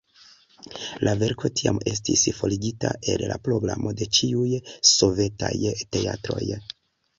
La verko tiam estis forigita el la programo de ĉiuj sovetaj teatroj.